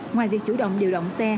ngoài việc chủ động điều động xe